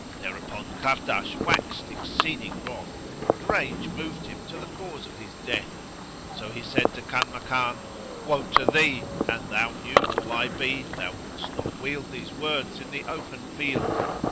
Thereupon Kahrdash waxed exceeding wroth, and rage moved him to the cause of his death; so he said to Kanmakan, "Woe to thee, an thou knew who I be, thou wouldst not wield these words in the open field.